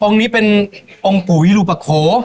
องค์นี้เป็นองค์ปุฮิรุปะโค